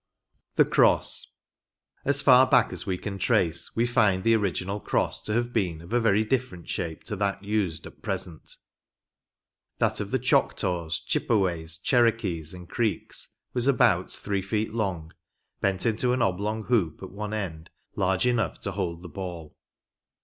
The Crosse. ‚ÄĒ As far back as we can trace we find the original Crosse to have been of a very different shape to that used at present. That of the Choctaws, Chippeways, Cherokees and Creeks was about three feet long, bent into an oblong hoop at one end large enough to hold the ball.